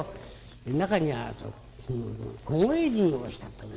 中には凍え死にをしたという。